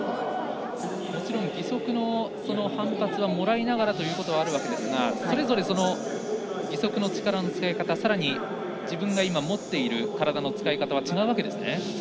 もちろん義足の反発をもらいながらということはあるわけですがそれぞれ義足の使い方、さらに自分が持っている体の使い方は違うわけですね。